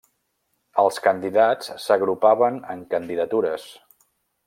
Els candidats s'agrupaven en candidatures.